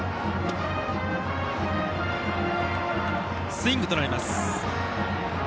スイング、とられました。